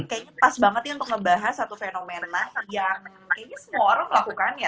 kayaknya pas banget nih untuk ngebahas satu fenomena yang kayaknya semua orang melakukannya